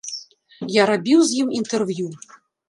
Я рабіў з ім інтэрв'ю.